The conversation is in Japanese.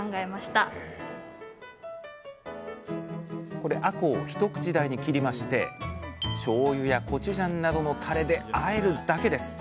これあこうを一口大に切りましてしょうゆやコチュジャンなどのタレであえるだけです。